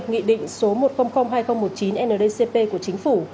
nghị định số một triệu hai nghìn một mươi chín ndcp của chính phủ